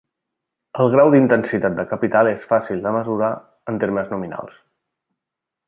El grau d'intensitat de capital és fàcil de mesurar en termes nominals.